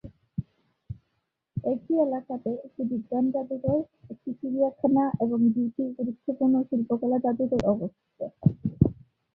একই এলাকাতে একটি বিজ্ঞান জাদুঘর, একটি চিড়িয়াখানা এবং দুইটি গুরুত্বপূর্ণ শিল্পকলা জাদুঘর অবস্থিত।